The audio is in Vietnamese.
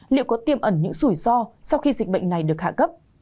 liệu có tiêm ẩn những rủi ro sau khi dịch bệnh này được hạ cấp